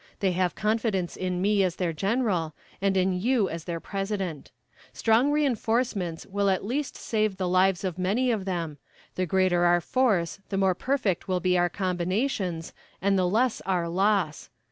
They have confidence in me as their general, and in you as their President. Strong reinforcements will at least save the lives of many of them; the greater our force the more perfect will be our combinations, and the less our loss.